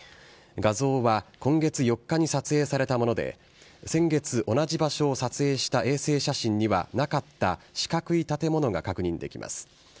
画像は、今月４日に撮影されたもので、先月同じ場所を撮影した衛星写真にはなかった、四角い建物が確認できます。